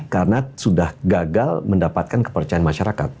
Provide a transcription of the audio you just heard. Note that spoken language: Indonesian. karena sudah gagal mendapatkan kepercayaan masyarakat